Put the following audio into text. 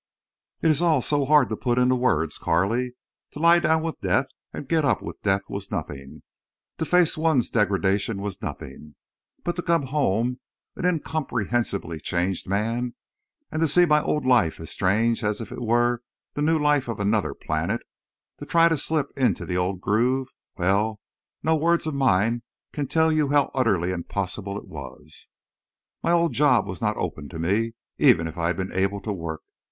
It is all so hard to put in words, Carley. To lie down with death and get up with death was nothing. To face one's degradation was nothing. But to come home an incomprehensibly changed man—and to see my old life as strange as if it were the new life of another planet—to try to slip into the old groove—well, no words of mine can tell you how utterly impossible it was. My old job was not open to me, even if I had been able to work.